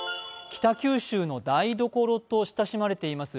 北九州の台所と親しまれています